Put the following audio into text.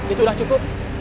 itu udah cukup